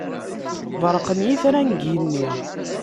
Berrqen yitran deg igenni.